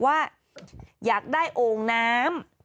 ว่าอยากได้โอ่งน้ำ